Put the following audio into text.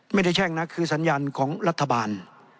แช่งนะคือสัญญาณของรัฐบาล